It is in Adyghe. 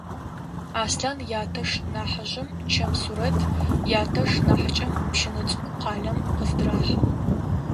Аслъан ятэш нахьыжъым чэм сурэт, ятэш нахьыкӏэм пщынэ цӏыкӏу къалэм къыздырахыгъ.